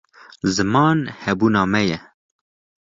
ziman hebûna me ye